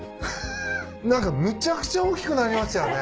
何かむちゃくちゃ大きくなりましたよね。